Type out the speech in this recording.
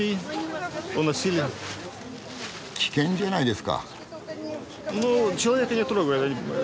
危険じゃないですか？